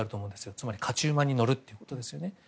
つまり、勝ち馬に乗るということですよね。